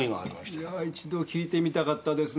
いや一度聞いてみたかったですねえ。